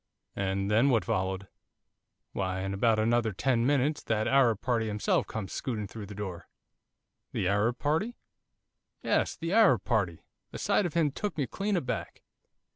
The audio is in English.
'And then what followed?' 'Why, in about another ten minutes that Arab party himself comes scooting through the door.' 'The Arab party?' 'Yes, the Arab party! The sight of him took me clean aback.